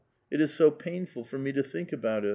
It is ^ paiuful for me to think about it."